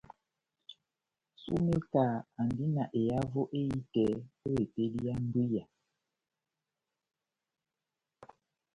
Sumeka andi na ehavo ehitɛ o epedi ya mbwiya.